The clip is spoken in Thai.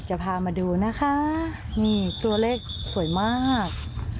จะพามาดูนะคะนี่ตัวเลขสวยมาก